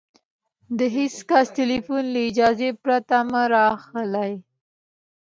د هېڅ کس ټلیفون له اجازې پرته مه را اخلئ!